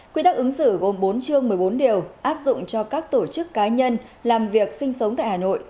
quy tắc ứng xử gồm bốn chương một mươi bốn điều áp dụng cho các tổ chức cá nhân làm việc sinh sống tại hà nội